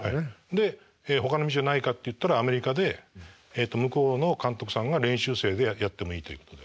でほかの道はないかって言ったらアメリカで向こうの監督さんが練習生でやってもいいということで。